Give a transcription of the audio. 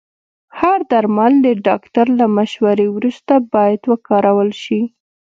هر درمل د ډاکټر له مشورې وروسته باید وکارول شي.